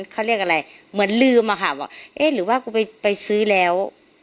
เขาเรียกอะไรเหมือนลืมอะค่ะว่าเอ๊ะหรือว่ากูไปซื้อแล้ว